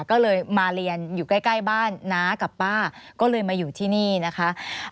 ก็เลยมาเรียนอยู่ใกล้บ้านน้ากับป้าก็เลยมาอยู่ที่นี่นะคะ